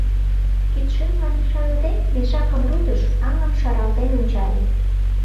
Кидшӱмлан ӱшаныде, мешакым рудыш, аҥым шаралтен ончале.